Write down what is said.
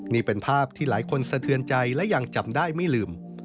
นี่เป็นภาพที่หลายคนสะเทือนใจและยังจำได้ไม่ลืม